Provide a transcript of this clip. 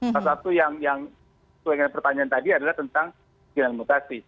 satu satu yang saya ingin pertanyaan tadi adalah tentang mutasi